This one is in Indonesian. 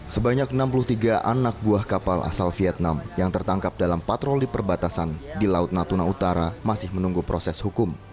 sebanyak enam puluh tiga anak buah kapal asal vietnam yang tertangkap dalam patroli perbatasan di laut natuna utara masih menunggu proses hukum